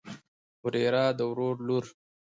وريره د ورور لور.